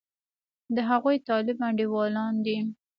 د هغوی طالب انډېوالان دي.